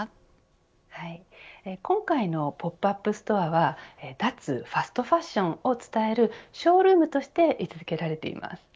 今回のポップアップストアは脱ファストファッションを伝えるショールームとして位置付けられています。